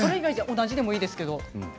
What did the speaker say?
同じでもいいですけど。